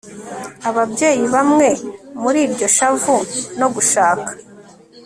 Ababyeyi bamwe muri iryo shavu no gushaka